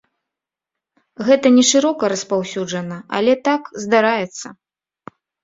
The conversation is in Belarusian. Гэта не шырока распаўсюджана, але так, здараецца.